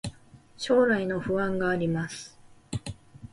将来の不安があります